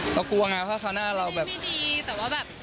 มันไม่ดีแล้ว๕๗